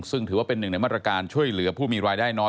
ซึ่งถือว่าเป็นหนึ่งในมาตรการช่วยเหลือผู้มีรายได้น้อย